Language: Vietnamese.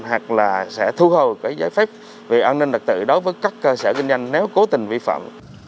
hoặc là sẽ thu hầu giấy phép về an ninh đặc tự đối với các cơ sở kinh doanh nếu cố tình vi phạm